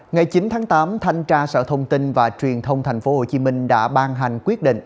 ngày chín tháng tám thanh tra sở thông tin và truyền thông tp hcm đã ban hành quyết định